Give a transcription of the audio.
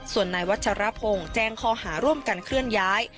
ส่วนนายวัชรพงศ์แจ้งข้อหาร่วมกันเคลื่อนย้าย